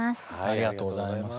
ありがとうございます。